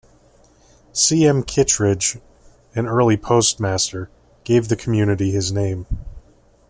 C. M. Kittredge, an early postmaster, gave the community his name.